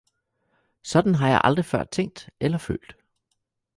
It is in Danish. Sådan har jeg aldrig før tænkt eller følt